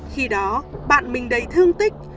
khi đó bạn mình đấy thương tích